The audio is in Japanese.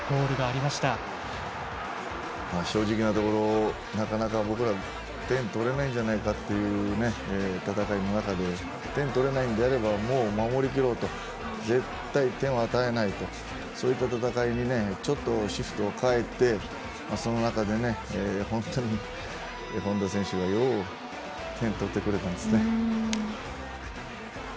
そのシーンですけど本田圭佑選手の正直なところなかなか僕ら点を取れないんじゃないかというね戦いの中で点が取れないんであればもう守りきろうと絶対に点を与えないとそういった戦いにちょっとシフトを変えてその中でね本田選手はよう点を取ってくれてますね。